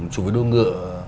chụp với đua ngựa